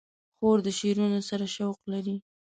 خور د شعرونو سره شوق لري.